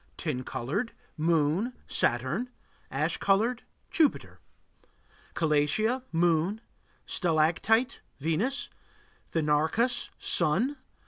Tin colored Moon, Saturn. Ash colored Jupiter. Calatia Moon. Stalactite Venus. Thenarcus Sun.